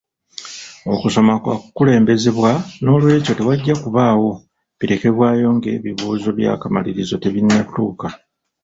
Okusoma kwa kukulembezebwa n'olw'ekyo tewajja kubaawo birekebwayo ng'ebibuuzo by'akamalirizo tebinnatuuka.